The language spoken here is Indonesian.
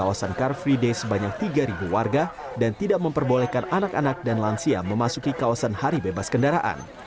kawasan car free day sebanyak tiga warga dan tidak memperbolehkan anak anak dan lansia memasuki kawasan hari bebas kendaraan